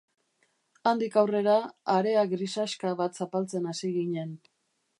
Handik aurrera, harea grisaxka bat zapaltzen hasi ginen.